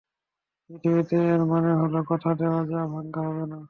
পৃথিবীতে, এর মানে হল কথা দেওয়া যা ভাঙ্গা হবে না।